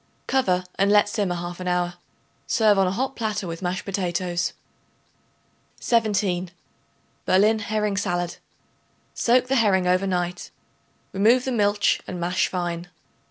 Cover and let simmer half an hour. Serve hot on a platter with mashed potatoes. 17. Berlin Herring Salad. Soak the herring over night; remove the milch and mash fine.